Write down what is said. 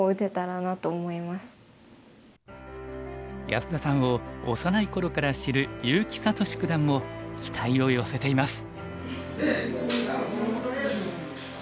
安田さんを幼い頃から知る結城聡九段も期待を寄せています。